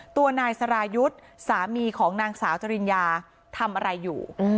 ตัวนายสรายุทธ์สามีของนางสาวจริญญาทำอะไรอยู่